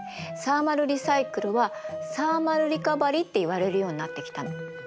サーマルリサイクルはサーマルリカバリーっていわれるようになってきたの。